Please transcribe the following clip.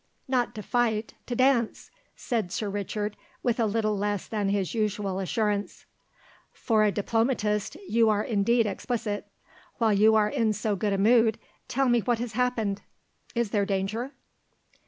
"Not to fight, to dance," said Sir Richard with a little less than his usual assurance. "For a diplomatist you are indeed explicit. While you are in so good a mood, tell me what has happened; is there danger?"